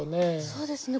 そうですね。